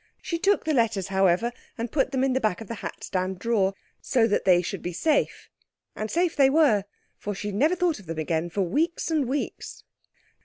She took in the letters, however, and put them in the back of the hat stand drawer, so that they should be safe. And safe they were, for she never thought of them again for weeks and weeks.